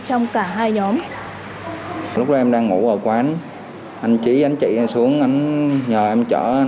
trong cả hai nhóm